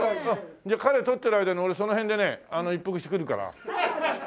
じゃあ彼撮ってる間に俺その辺でね一服してくるから。